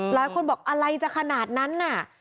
หลายคนบอกอะไรจะขนาดนั้นน่ะ